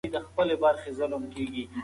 هغه سړی هره میاشت نوی مسواک اخلي.